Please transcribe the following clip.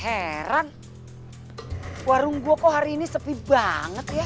heran warung gua kok hari ini sepi banget ya